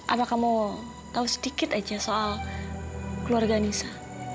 apa kamu tau sedikit aja soal keluarga anissa